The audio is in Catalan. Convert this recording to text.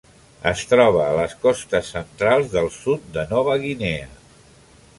Es troba a les costes centrals del sud de Nova Guinea.